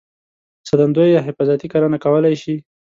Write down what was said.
ساتندویه یا حفاظتي کرنه کولای شي.